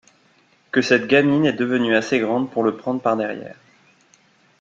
Que cette gamine est devenue assez grande pour le prendre par derrière.